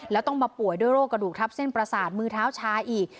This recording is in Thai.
แล้วต้องมาป่วยด้วยโรคกระดูกทับเส้นประสาทมือเท้าชาอีก